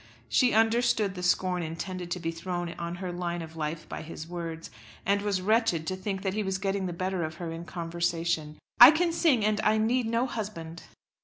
She understood the scorn intended to be thrown on her line of life by his words, and was wretched to think that he was getting the better of her in conversation. "I can sing and I need no husband."